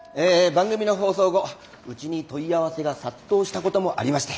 番組の放送後うちに問い合わせが殺到したこともありまして